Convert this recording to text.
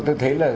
tôi thấy là